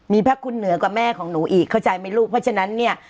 มีพระคุณเหนือกว่าแม่ของหนูอีกเข้าใจไหมลูกเพราะฉะนั้นเนี่ย